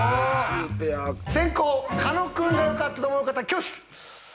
先攻狩野君が良かったと思う方挙手！